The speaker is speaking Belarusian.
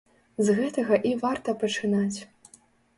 З гэтага і варта пачынаць.